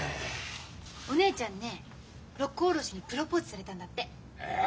お姉ちゃんね六甲おろしにプロポーズされたんだって。え！？